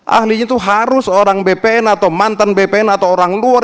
ahlinya itu harus orang bpn atau mantan bpn atau orang luar